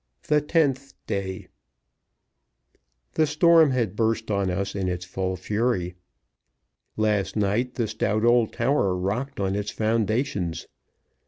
THE TENTH DAY. THE storm has burst on us in its full fury. Last night the stout old tower rocked on its foundations.